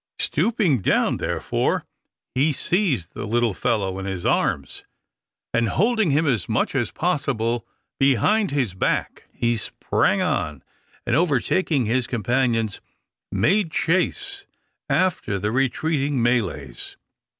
Stooping down, therefore, he seized the little fellow in his arms, and, holding him as much as possible behind his back, he sprang on, and overtaking his companions, made chase after the retreating Malays.